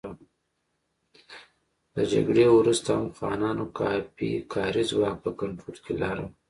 له جګړې وروسته هم خانانو کافي کاري ځواک په کنټرول کې لاره.